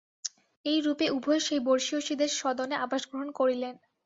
এই রূপে উভয়ে সেই বর্ষীয়সীর সদনে আবাসগ্রহণ করিলেন।